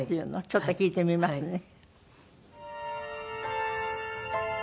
ちょっと聴いてみますね。